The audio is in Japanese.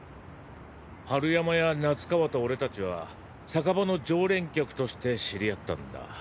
春山や夏川と俺たちは酒場の常連客として知り合ったんだ。